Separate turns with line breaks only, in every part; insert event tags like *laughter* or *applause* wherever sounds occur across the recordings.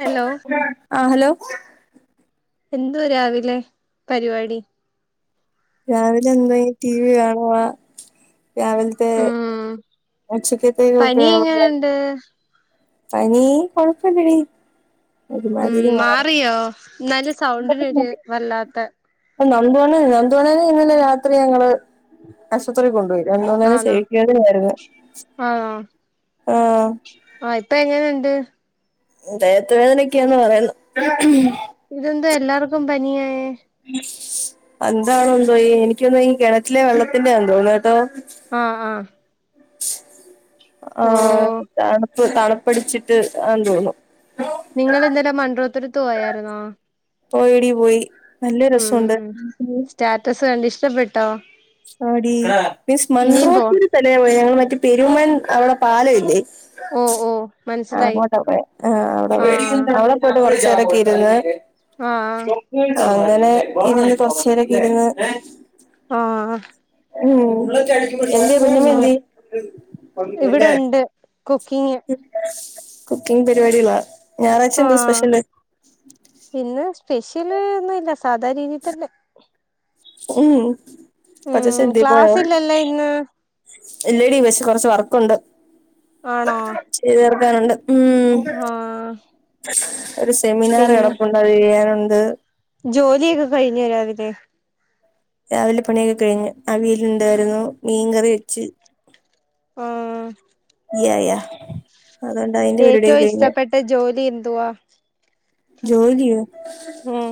Hello
ആഹ്‌ hello
എന്തോ രാവിലെ പരിപാടി
രാവിലെ എന്തായി ടി വി കാണുവാ രാവിലെ
ഉം
*unintelligible*
ണ്ട്
പനി കൊഴപ്പല്ലടി
ഉം
ഒരുമാതിരി മാറി
മാറിയോ ന്നാലും സൗണ്ട് റെഡി വല്ലാത്ത
നന്ദുവണ നന്ദുവണ്ണനെ ഇന്നല്ലെ രാത്രി ഞങ്ങള് ആശുപത്രിയിൽ കൊണ്ടുപോയി രണ്ടോന്നന്ന്
ആണോ
സേവിക്കണ്ടായിരുന്നു ആഹ
ആഹ്‌ ഇപ്പ എങ്ങനണ്ട്
ദയത്ത് വേദനൊക്കെയന്ന് പറയുന്നു
ഇതെന്താ എല്ലാർക്കും പനിയായേ
*unintelligible* എന്താണോ എന്തോ എനിക്കൊന്നും കിണറ്റിലെ വെള്ളത്തിന്റെന്ന് തോന്നണ് കേട്ടോ
ആഹ്‌ ആഹ്‌
ആ തണുപ്പ് തണുപ്പടിച്ചിട്ട് ആ തോന്നും
നിങ്ങൾ ഇന്നലെ മണ്ഡ്രോത്തുരത്ത് പോയായിരുന്നോ
പോയ ടി പോയി നല്ല
ഉം
രസുണ്ട്
സ്റ്റാറ്റസ് കണ്ട് ഇഷ്ടപ്പെട്ടോ
ആടി മീൻസ്
ഇനിയും പോ
മൺറോത്തിരു തല പോ ഞങ്ങൾ മറ്റ പെരുമ്മൻ അവിടെ പാലം ഇല്ലേ
ഓ ഓ
ആ
മനസ്സിലായി
അങ്ങോട്ട പോയെ അവടെ
ആ
പോയെ അവ ട്ട് കുറച്ചാരൊക്കെ ഇരുന്ന്
ആഹ്‌
അങ്ങനെ ഇരുന്ന് കൊറച്ചോരക്കെ ഇരുന്ന്
ആഹ്‌
ഉം എന്തെ കുഞ്ഞമ്മ
ഉം
എന്തെ
ഇവിടുണ്ട് കുക്കിങ്
കുക്കിംഗ് പരിപാടിയില ഞായറായിച്ച എന്തേ
ആഹ്
സ്പെഷ്യല്
ഇന്ന് സ്പെഷ്യല് ഒന്നുംല്ല സാധാരണ രീതിതന്നെ
ഉം പച്ച
ഉം
ചിന്തി പോയോ
ക്ലാസ്സില്ലല്ലോ ഇന്ന്
ഇല്ലടീ പക്ഷെ കുറച്ച് വർക്കുണ്ട്
ആണോ
ചെയ്ത് തീർക്കാനുണ്ട്ഉം
ആഹ്
ഒരു സെമിനാർ
പിന്നെ
കിടപ്പുണ്ട് പറയാനുണ്ട്
ജോലിയൊക്കെ കഴിഞ്ഞ രാവിലെ
രാവിലെ പണിയൊക്കെ കഴിഞ്ഞ് അവീയിലുണ്ടായിരുന്നു മീൻകറി വെച്ച്
ആഹ്‌
യാ യാ അതൊണ്ട്
ഏറ്റവും ഇഷ്ടപ്പെട്ട ജോലി എന്തുവാ
ജോലിയോ
ഉം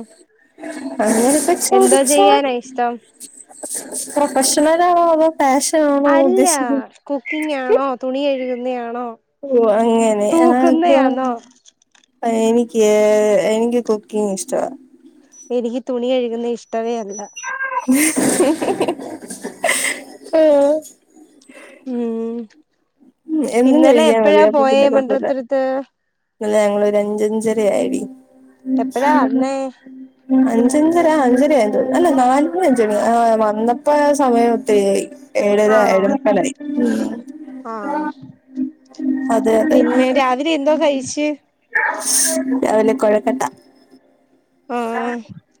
അങ്ങനത്തെ
എന്തോ
ചോദിച്ചോ
ചെയ്യാനാ ഇഷ്ടം
പ്രൊഫഷണൽ ആണോ അതോ പാഷൻ ആണോ
അല്ല കുക്കിംഗ് ആണോ തുണി കഴുകുന്നയാണോ
ഓ അങ്ങനെ ആർക്ക
തൂക്കുന്നയാന്നോ
എനിക്ക് എനിക്ക് കുക്കിംഗ് ഇഷ്ടവാ.
എനിക്ക് തുണി കഴുകുന്നെ ഇഷ്ടവേ അല്ല.
ആഹ്
ഉം
എന്നും
ഇന്നലെ
കഴിക്കാൻ മതി
എപ്പഴാ
അപ്പൊ
പോയേ
പിന്നെ കൊഴപ്പല്ല
മണ്ഡലതുരത്ത്?
ഇന്നലെ ഞങ്ങളൊരു അഞ്ചഞ്ചര ആയെടി.
എപ്പഴാ വന്നേ
അഞ്ചഞ്ചര അഞ്ചര ആഹ് ആയെന്ന് തോന്നുന്നു അല്ല നാല് മണി അഞ്ച് മണി ആഹ് വന്നപ്പോ സമയം ഒത്തിരിയായി. ഏഴര
ആണോ
എഴേമുക്കാലായി.
ആഹ്
അതെ അതെ
പിന്നെ രാവിലെ എന്തോ കഴിച്ച്?
രാവിലെ കൊഴക്കട്ട.
ആഹ്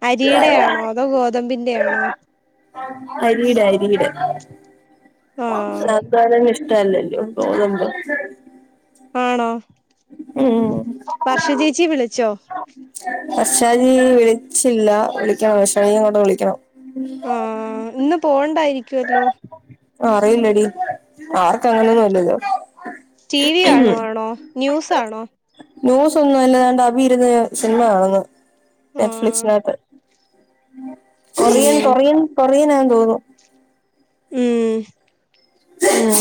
അരിയുടെ ആണോ അതോ ഗോതമ്പിന്റെ ആണോ
അരീടെ അരീടെ.
ആഹ്
*unintelligible* ഇഷ്ടം അല്ലല്ലോ ഗോതമ്പ്
ആണോ
ഉം
വർഷ ചേച്ചി വിളിച്ചോ?
വർഷാച്ചി വിളിച്ചില്ല വിളിക്കണം വർഷാച്ചിനെ കൂടെ വിളിക്കണം.
ആഹ് ഇന്ന് പോണ്ടായിരിക്കുവല്ലോ?
അറിയില്ലെടി അവർക്ക് അങ്ങനൊന്നും ഇല്ലല്ലോ?
ടി വി കാണുവാണോ? ന്യൂസാണോ?
ന്യൂസ് ഒന്നും അല്ല ഇതാണ്ട് അഭി ഇരുന്ന് സിനിമ കാണ്ന്ന്
ആഹ്
നെറ്റ്ഫ്ലിക്സിനാത്ത്. കൊറിയൻ
ഉം
കൊറിയൻ കൊറിയനാന്ന് തോന്നുന്നു.
ഉം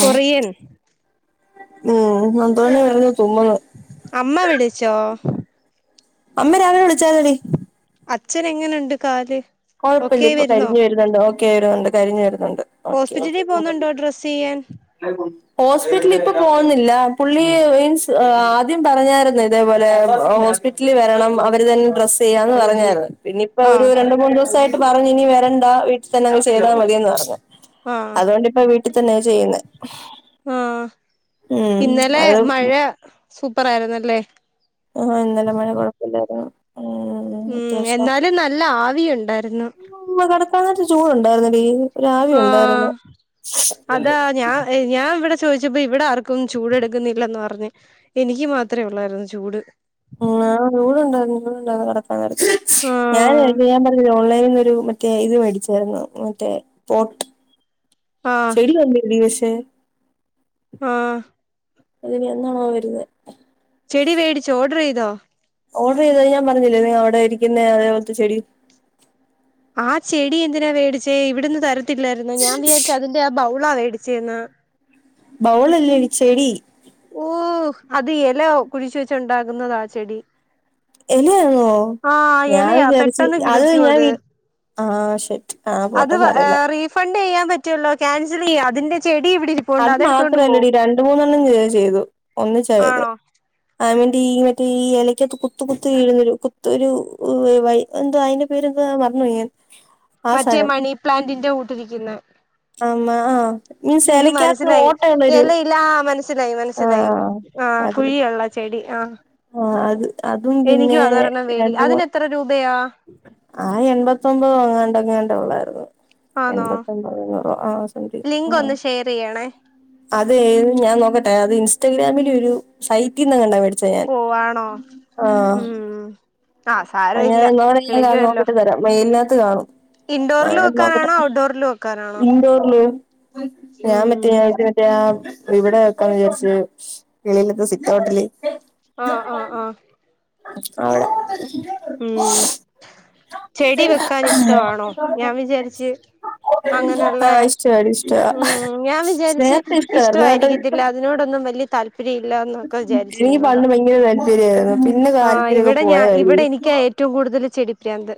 കൊറിയൻ
ഉം അതുപോലെ ആയിരുന്നു *unintelligible*
അമ്മ വിളിച്ചോ?
അമ്മ രാവിലെ വിളിച്ചാരുന്നെടി.
അച്ഛനെങ്ങനുണ്ട് കാല്?
കൊഴപ്പില്ല
ഓക്കെ
ഇപ്പ
വരുന്നോ
കരിഞ്ഞു വരുന്നുണ്ട് ഓക്കെ ആയി വരുന്നുണ്ട് കരിഞ്ഞ് വരുന്നുണ്ട്. ഓക്കെ
ഹോസ്പിറ്റലിൽ പോന്നുണ്ടോ ഡ്രസ്സ് ചെയ്യാൻ?
*inaudible* ഹോസ്പിറ്റലിൽ ഇപ്പ പോകുന്നില്ല പുള്ളി മീൻസ് ആദ്യം പറഞ്ഞായിരുന്നു ഇതേപോലെ ഹോസ്പി റ്റലിൽ വരണം അവര് തന്നെ ഡ്രസ്സ് ചെയ്യാന്ന് പറഞ്ഞായിരുന്നു. പിന്നെ ഇപ്പൊരു
ആഹ്
രണ്ട് മൂന്ന് ദിവസായിട്ട് പറഞ്ഞ് ഇനി വരണ്ട വീട്ടിൽ തന്നെ അങ്ങ് ചെയ്താൽ മതി എന്ന് പറ ഞ്ഞ്
ആഹ്
അതോണ്ടിപ്പ വീട്ടിൽ തന്നെയാ ചെയ്യുന്നെ.
ആഹ്
ഉം
ഇന്നലെ
അത്
മഴ സൂപ്പർ ആയിരുന്നല്ലേ?
ആഹ് ഇന്നലെ മഴ കൊഴപ്പമില്ലാരുന്നു ഉം
ഉം
അത്യാവശ്യം
എന്നാലും നല്ല ആവി ഉണ്ടായിരുന്നു.
കെടക്കാ നേരത്ത് ചൂടുണ്ടായിരുന്നെടീ ഒരു ആവി ഉണ്ടായിരുന്നു.
ആഹ് ഏയ് ഞാൻ ഇവിടെ ചോദിച്ചപ്പോ ഇവിടെ ആർക്കും ചൂട് എടുക്കുന്നില്ലാന്ന് പറഞ്ഞ്. എനിക്ക് മാത്രേ ഒള്ളായിരുന്നു ചൂട്.
ആഹ് ചൂടുണ്ടായിരുന്ന് ചൂടുണ്ടായിരുന്ന് കെടക്കാൻ നേരത്ത് ഞാൻ
ആഹ്
*unintelligible* പറഞ്ഞില്ലേ ഓൺലൈനീന്നൊരു മറ്റേ ഇത് മേടിച്ചായിരുന്നു മറ്റേ പോട്ട്
ആഹ്
ചെടി വന്നില്ലേ പക്ഷേ
ആഹ്
അതിനിഎന്നാണോ വരുന്നേ?
ചെടി വേടിച്ചോ ഓഡറെയ്തോ?
ഓഡറെയ്തത് ഞാൻ പറഞ്ഞില്ലേ *unintelligible* അവിടെ ഇരിക്കുന്നെ അതേപോലത്തെ ചെടി.
ആ ചെടി എന്തിനാ വേടിച്ചേ ഇവിടുന്ന് തരത്തില്ലായിരുന്നോ ഞാൻ വിചാരിച്ച് അതിന്റെ ആ ബൗളാ വേടിച്ചേന്ന്.
ബൗളല്ലടി ചെടി.
ഓഹ് അത് എല കുഴിച്ച് വെച്ചുണ്ടാകുന്നതാ ആ ചെടി.
എലയാന്നോ?
ആഹ്
ഞാൻ
ഇലയാ
വിചാരിച്ച്
പെട്ടെന്ന്
അത്
കിളിക്കും
ഞാ വി ആഹ് ഷിറ്റ് ആഹ് പോട്ടെ സാരല്ല.
ഫണ്ട് ചെയ്യാൻ പറ്റുവല്ലോ ക്യാൻസലെയ്യാ അതിന്റെ ചെടി ഇവിടെ ഇരിപ്പുണ്ട്
അത്
അതെടുത്തോണ്ട് പോ
മാത്രല്ലടി രണ്ട് മൂന്നെണ്ണം ചെയ്തു ഒന്നിച്ചാ ചെയ്തേ.
ആണോ
ആ *unintelligible* ടി മറ്റേ ഈ എലക്കൊക്കെ കുത്ത് കുത്ത് വീഴുന്നൊരു കുത്ത്‌ ഒരു വ വഴ എന്ത്‌ വാ അയിന്റെ പേരന്ത് വാ മറന്ന് പോയി ഞാൻ ആ
മറ്റേ
സാധനം
മണി പ്ലാന്റിന്റെ കൂട്ടിരിക്ന്നെ
ആഹ് ആഹ് മീൻസ്
എനിക്ക് മന
ഇലക്കകത്ത്
സ്സിലായി
ഓട്ടയുള്ളൊരു
എന്നില്ലാ മനസ്സിലായി മനസ്സിലായി
ആഹ്
ആ
അത്
കുഴിയുള്ള ചെടി ആഹ്
ആഹ് അത് അതും
എനിക്കും
പിന്നെ
അതൊരണ്ണം
രണ്ട്
മേടിക്കാ
മൂന്ന്
അതിനെത്ര രൂപയാ
ആ എൺപത്തൊമ്പതൊ അങ്ങാണ്ടങ്ങാണ്ടോ ഒള്ളാരുന്നു
ആണോ
എൺപത്തോമ്പത് അഞ്ഞൂറോ ആഹ് സമ്തിങ്
ലിങ്ക്
ആഹ്
ഒന്ന് ഷെയർ ചെയ്യണേ
അതെ ഞാൻ നോക്കട്ടെ അത് ഇൻസ്റ്റാഗ്രാമിലൊരു സൈറ്റിന്നെ ങ്ങാണ്ടാ മേടിച്ചെ ഞാൻ
ഓ ആണോ ഉം ഉം
അത് ഞാൻ *unintelligible* നോക്കിട്ട് തരാം മെയിലിനത്ത് കാണും
ഇൻഡോറിൽ
പഴം നോക്കട്ടെ
വെക്കാനാണോ ഔട്ട്ഡോറിൽ വെക്കാനാണോ
ഇൻഡോറില് ഞാൻ മറ്റെ
ഉം
അത് *unintelligible* ഇവിടെ വെക്കാന്ന് വിചാരിച്ച് വെളിയിലെത്തെ സിറ്റോട്ടില്
ആഹ് ആഹ് ആഹ്
അവ്ടെ
ഉം ചെടി വെക്കാൻ ഇഷ്ടആണോ ഞാൻ വിചാരിച്ച്
ആ
അങ്ങനുള്ളെ
ഇഷ്ടവാടി ഇഷ്ടവാ
ഉം ഞാൻ വിചാരിച്ച്
നേരത്തെ ഇഷ്ടായിരുന്നു കേട്ടോ
ഇഷ്ടവായിരിക്കത്തില്ല
ഇപ്പം
അതിനോടൊന്നും വല്ല്യ താല്പര്യം ഇല്ലന്നൊക്കെ വിചാരിച്ചിരുന്നതാ
തെര്ന്നു പിന്നെ താല്പര്യോക്കെ പോയതാടി
എറ്റോം കൂടുതല് ചെടി പ്രാന്ത്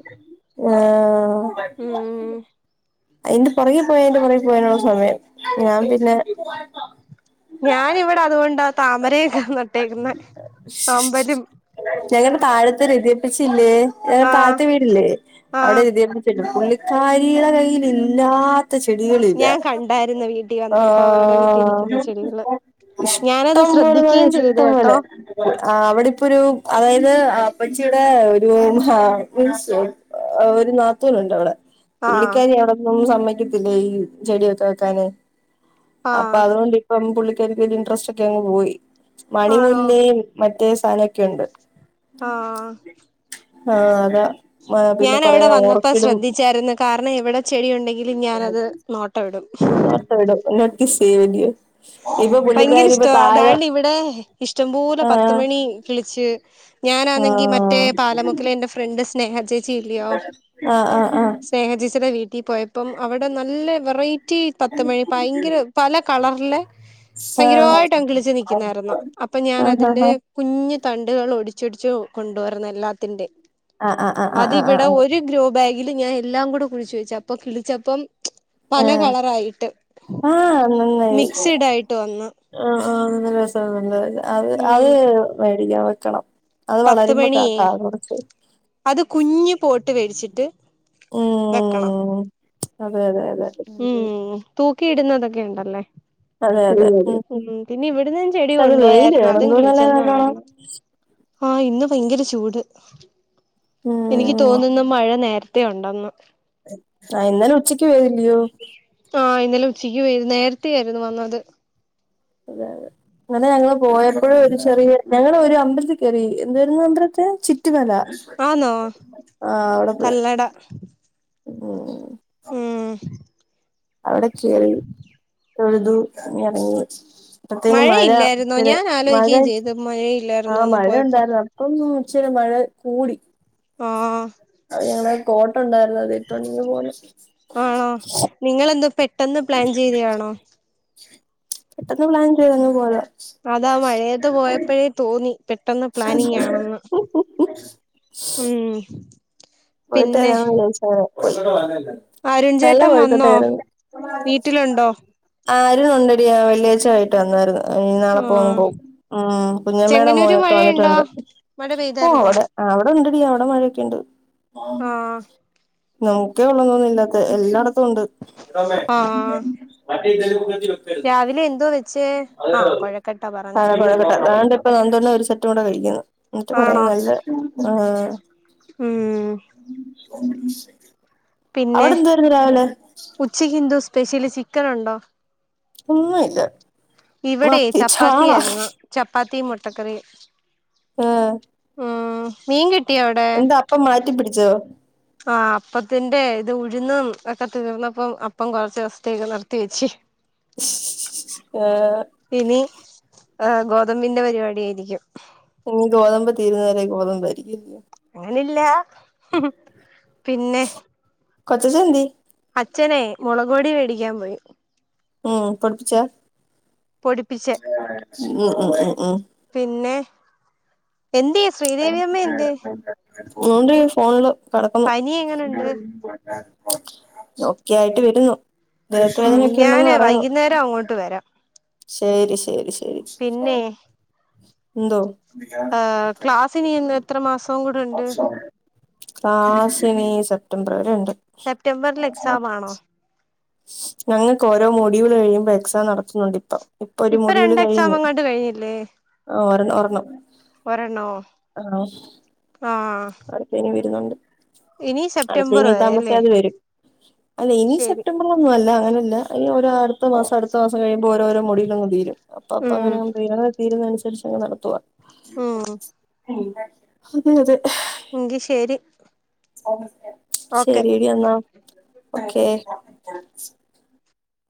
ആ
ഉം
അയ്ന്റെ പൊറകെ പോയ അയ്ന്റെ പൊറകെ പോയാനുള്ള സമയം ഞാൻ പിന്നെ
ഞാനിവിടെ അത് കൊണ്ടാ താമരയുംനട്ടേക്കുന്നെ ആമ്പലും
ഞങ്ങടെ താഴത്തെ ‌ രതിയപ്പിച്ചില്ലേ ഞങ്ങടെ
ആഹ്
താഴത്തെ വീടില്ലേ അവിടെ
ആഹ്
രതിയപ്പ ച്ചിട് പുള്ളിക്കാരിടെ കൈയില് ഇല്ലാ ത്ത ചെടികളില്ല
ഞാൻ കണ്ടായിരുന്നു വീട്ടിൽ വന്നപ്പോ അവരുടെ വീട്ടിൽ നിൽക്കുന്ന
ആഹ്
ചെടികള് ഞാനത്
ഇഷ്ടം പോലെന്ന് പറഞ്ഞാ
ശ്രദ്ധിക്കുകയും ചെയ്ത്
ഇഷ്ടം
കേട്ടോ
പോലെ ആ അവിടെപ്പൊരു അതായത് അപ്പച്ചിയുടെ ഒരു ആ ഉൽത്സോം ആഹ് ഒര് നാത്തൂന്ണ്ട് അവിടെ
ആഹ്
പുള്ളിക്കാരി അവിടൊന്നും സമ്മയ്ക്കത്തില്ല ഈ ചെടിഓക്കെ വെക്കാനെ അപ്പ
ആഹ്
അതുകൊണ്ട് ഇപ്പം പുള്ളിക്കാരിക്കോര് ഇൻട്രസ്റ്റ് ഒക്കെ അങ്ങ് പോയി
ആണോ
മണിമുല്ലേയും മാ റ്റെ സാനൊക്കെ ഉണ്ട്
ആഹ്
ആഹ് അതാ ആഹ് പിന്നെ കൊറേ
ഞാനവിടെ വന്നപ്പോ
ഓർക്കിഡും
ശ്രദ്ധിച്ചാരുന്നു കാരണം എവിടെ ചെടിയുണ്ടെങ്കിലും ഞാനത് നോട്ട ഇടും
നൊട്ട ഇടും നോട്ടീസ് ചെയുവാല്ലെയോ
ഭയങ്കര ഇഷ്ടവാ താണ്ട് ഇവിടെ ഇഷ്ടംപോലെ പത്ത്‌
ആഹ്
മണിം കിളിച്ച് ഞാനാന്നെങ്കി മറ്റേ
ആഹ്
പാലമുക്കിലെ എന്റെ ഫ്രണ്ട് സ്നേഹ ചെ ച്ചില്ല്യോ
ആഹ് ആഹ്
സ്നേഹചേച്ചിടെ വീട്ടി പോയപ്പം അവിടെ നല്ല വെറൈ റ്റി പത്ത് മണി ഭയങ്കര പല കളറിലെ ഭയങ്കരവയിട്ട് അങ്ങ് ങ്കിളിച് നിക്ക്ന്നാറ്ന്നു അപ്പ ഞാൻ
ആഹ് ആഹ്
അതിന്റെ
ആഹ്
കുഞ് തണ്ടുകൾ ഒടിച്ചൊടിച്ച് കൊണ്ടുവരന്ന എല്ലാത്തിന്റെ
ആഹ് ആഹ് ആഹ് ആഹ് ആഹ് ആഹ്
അതിവിടെ
ആഹ്
ഒരു ഗ്രോബാ കിൽ ഞാൻ എല്ലാം കൂടെ കുഴിച്ചു വെച്ച അപ്പൊ കിളിച്ചപ്പം പല
ആഹ്
കളറായിട്ട്
ആഹ് നന്നായി
മിക്സിഡ് ആയിട്ട് വന്ന്
ആഹ് ആഹ് രസഉണ്ട് അത് അത്
ഉം
മേടിക്ക പറ്റണം അത്
പത്ത്
വളരുമ്പോ
മണിയേ
കാട്ടാ കുറച്ച്
അത് കുഞ് പോട്ട് മേടിച്ചിട്ട് വെക്കണം
ഉം അതെ അതെ അതെ
വെകും ഉം തൂക്കിയിടുന്നതൊക്കെ ഉണ്ടല്ലേ
അതെ അതെ
ഉണ്ടല്ലേ ഉം പിന്നെ ഇവിടന്നും ചെടി
പക്ഷെ അത് വെയില്
കൊണ്ടയാരുന്നു
വേണം
അതും
എന്തോന്നല്ലേ
കിളിച്ചന്ന്
നല്ലോണം
പറയന് ആ ഇന്ന് ഭയങ്കര ചൂട് എനിക്ക്
ഉം
തോന്നുന്നു മഴ നേര ത്തി ഉണ്ടെന്ന്
ആഹ് എന്നാലും ഉച്ചക്ക് വരൂള്ളൂ
ആഹ് ഇന്നലെ ഉച്ചയ്ക്ക് നേരത്തേ ആയിരുന്നു വന്നത്
അതെ അതെ അങ്ങനെ ഞങ്ങള് പോയപ്പോഴ ഒരു ചെറിയ ഞങ്ങള് ഒരു അമ്പലത്തി കേറി എന്തായിരുന്നു *unintelligible* ചിറ്റ് മല
ആണോ കല്ലട
ഓ
ആഹ്
അവിടെ കേറി തൊഴുതു ഇങ്ങ് ഇറങ്ങി അപ്പത്തേന് മഴ
മഴയില്ലായിരുന്നോ
ഇച്ചരി
ഞാൻ
മഴ
ആലോചിക്കുകയും ചെയ്തു
ആ
മഴയില്ലായിരുന്നോന്ന്
മഴ
പോയപ്പോ
ഉണ്ടായിരുന്നു അ ഇപ്പം ഇച്ചിരെ മഴ കൂടി
ആഹ്
അത് ഞങ്ങള് കോട്ട് ഉണ്ടായിരുന്നു അത് ഇട്ടോണ്ടിങ്ങ് പോന്നു
ആണോ നിങ്ങളെന്താ പെട്ടെന്ന് പ്ലാൻ ചെയ്തയാണോ
പെട്ടന്ന് പ്ലാൻ ചെയ്ത് പോണെ
അതാ മഴയത്ത് പോയപ്പോഴേ തോന്നി പെട്ടെന്ന് പ്ലാനിങ് ആണെന്ന് ഉം
പോയിട്ട്
പിന്നെ
വരാന്ന് വിചാരിച്ചങ്ങനെ *unintelligible*
അരുൺചേട്ടൻ വന്നോ വീട്ടിലുണ്ടോ
ആഹ് അരുൺ ഉണ്ടടീ ആ വെള്ളിയഴ്ച വൈകിട്ട് വന്നായിരുന്നു അവൻ നാളെ പോവും
ആഹ്
പോവും ഉം കുഞ്ഞമ്മേയുടെ
ചെങ്ങന്നൂര്
മോനൊക്കെ
മഴയുണ്ടോ
വന്നിട്ടുണ്ട്
മഴ
ഓ
പെയ്തായിരുന്നോ
അവിടെ അവിടെ ഉണ്ടടി അവിടെ മഴയൊക്കെയുണ്ട്
ആഹ്
നമുക്കേ ഉള്ളു ഇതൊന്നുമില്ലാത്ത എല്ലായിടത്തും ഉണ്ട്
ആഹ്
മറ്റ് ഇതര വിഷയത്തിലും
രാവിലെ എന്തോ വെച്ചേ
അത്
ആഹ് കൊഴക്കട്ട
തന്നെ
പറഞ്ഞായിരുന്നല്ലേ
മതി ആണ്ടിപ്പോ രണ്ടെണ്ണം ഒരു സെറ്റും കൂടെ ഇരിക്കുന്നു എന്നിട്ട് പറയാ
ആണോ
നല്ല ആഹ്
ഉം
ഉം ഉം
പിന്നെ ഉച്ചക്കെന്താ സ്പെഷ്യല് ചിക്കനുണ്ടോ
ഒന്നുമില്ല
ഇവിടെയെ
മത്തി ചാള
ചപ്പാത്തിയായിരുന്നു ചപ്പാത്തിയും മുട്ടക്കറിയും
ആഹ്
ഉം മീൻ കിട്ടിയോ അവിടെ
ഇപ്പം മാറ്റി പിടിച്ചോ
ആഹ് അപ്പത്തിന്റെ ഇത് ഉഴുന്നും ഒക്കെ തീർന്നപ്പം അപ്പം കുറച്ച് ദിവസത്തേക്ക് നിർത്തി വെച്ചു *inaudible*
ആഹ്
ഇനി ആ ഗോതമ്പിന്റെ പരിപാടി ആയിരിക്കും
ഇനി ഗോതമ്പ് തീരുന്നത് വരെ ഗോതമ്പായിരിക്കും
അങ്ങനെ ഇല്ല ഉം പിന്നെ
കൊച്ചച്ചൻ എന്തിയെ
അച്ഛനെ മുളക് പൊടി മേടിക്കാൻ പോയി
ഉം പൊടിപ്പിച്ചതാ
പൊടിപ്പിച്ച്
ഉം ഉം ഉം ഉം
പിന്നെ എന്തിയെ ശ്രീദേവിയമ്മ എന്തിയെ
ഉണ്ട് ഫോണില് കിടക്കുന്നു
പനി എങ്ങനുണ്ട്
ഒക്കെ ആയിട്ട് വരുന്നു ദേഹത്ത്
ഉം
വേദനയൊക്കെ ഉണ്ടെന്ന്
ഞാനെ
പറയുന്നു
വൈകുന്നേരം അങ്ങോട്ട് വരാം
ശരി ശരി ശരി
പിന്നെ
എന്തോ
ആ ക്ലാസ്സ് ഇനി എ എത്ര മാസം കൂടെ ഉണ്ട്
ക്ലാസ്സ്‌ ഇനി സെപ്റ്റംബർ വരെ ഉണ്ട്
സെപ്റ്റംബർല് എക്സാം ആണോ
ഞങ്ങൾക്ക് ഓരോ മോഡൂൾ കഴിയുമ്പോ എക്സാം നടത്തുന്നുണ്ട് ഇപ്പൊ ഇപ്പൊ ഒരു മോഡിയോൾ
രണ്ട് എക്സാം
കഴിഞ്ഞ്
അങ്ങാണ്ട് കഴിഞ്ഞില്ലേ
ആ ഒരണ്ണം ഒരണ്ണം
ഒരെണ്ണോ
ആഹ്
ആഹ്
പനി വരുന്നുണ്ട്
ഇനി
അടുത്ത
സെപ്റ്റംബർ
ഇനി
വരെ അല്ലേ
താമസിയാതെ വരും ആ നിമിഷം
ശരി
അൊന്നും അല്ല അങ്ങനല്ല ഈ ഓരു അടുത്ത മാസം അടുത്ത മാസം കഴിയുമ്പോ ഓരോരോ മൊഡ്യൂളങ് വരും അപ്പൊ അപ്പ
ഉം
അങ്ങനെ ക്ലിയർ ആക്കി തീരുന്ന അനുസരിച്ച് അങ് നടത്തുവാ
ഉം
അതെ അതെ
എങ്കി ശരി ഓക്കെ
ശരിയടി എന്നാ ഓക്കെ